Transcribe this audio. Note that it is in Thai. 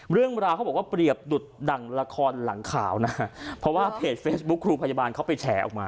เรื่องราวเขาบอกว่าเปรียบดุดดั่งละครหลังข่าวนะเพราะว่าเพจเฟซบุ๊คครูพยาบาลเขาไปแฉออกมา